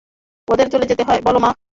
ওদের চলে যেতে বল, মা।